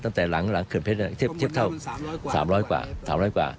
ตั้งแต่หลังเขื่อนเพชรเทียบเท่า๓๐๐กว่า๓๐๐กว่า